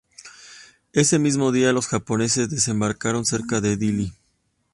Ese mismo día, los japoneses desembarcaron cerca de Dili.